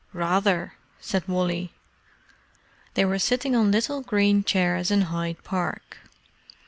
"Rather!" said Wally. They were sitting on little green chairs in Hyde Park.